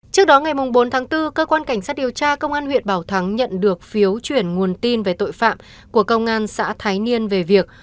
trước đó ngày bốn tháng bốn cơ quan cảnh sát điều tra công an huyện bảo thắng nhận được phiếu chuyển nguồn tin về tội phạm của công an xã thái niên về việc